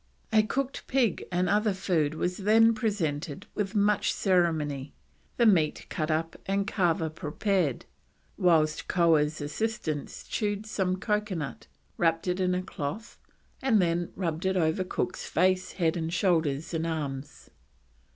A cooked pig and other food was then presented with much ceremony, the meat cut up and kava prepared; whilst Koah's assistant chewed some coconut, wrapped it in cloth, and then rubbed it over Cook's face, head, shoulders, and arms.